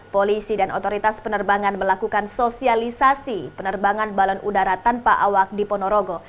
polisi dan otoritas penerbangan melakukan sosialisasi penerbangan balon udara tanpa awak di ponorogo